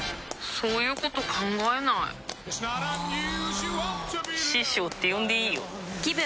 そういうこと考えないあ師匠って呼んでいいよぷ